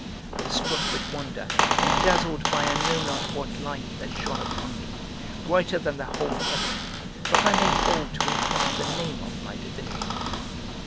I was struck with wonder and dazzled by I know not what light that shone upon me, brighter than the whole heaven, but I made bold to inquire the name of my divinity.